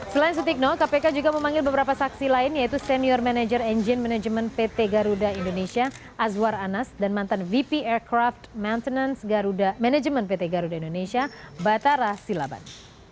selain sutikno kpk juga memanggil beberapa saksi lain yaitu senior manager engine management pt garuda indonesia azwar anas dan mantan vp aircraft maintenance garuda management pt garuda indonesia batara silaban